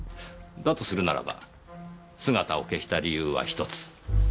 だとするならば姿を消した理由は１つ。